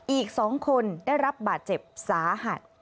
อีก๒คนได้รับบาดเจ็บสาหัส